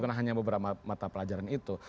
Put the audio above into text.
karena hanya beberapa mata pelajaran itu